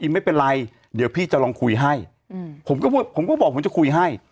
ไม่เป็นไรเดี๋ยวพี่จะลองคุยให้ผมก็ผมก็บอกผมจะคุยให้